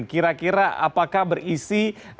kira kira apakah berisi